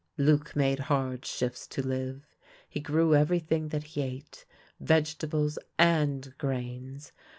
Luc made hard shifts to live. He grew everything that he ate, vegetables and grains.